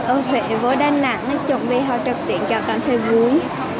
ở huế với đà nẵng nói chung thì họ trực tiện càng cảm thấy vui